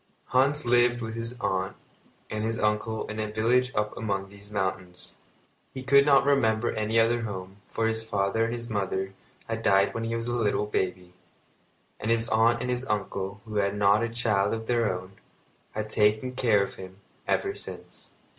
Hans lived with his aunt and his uncle in a village up among these mountains. He could not remember any other home, for his father and his mother had died when he was a little baby, and his aunt and his uncle, who had not a child of their own, had taken care of him ever since. Han's uncle was a guide.